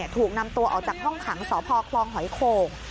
ถูกนำตัวออกจากห้องขังสพคลองหอยโข่ง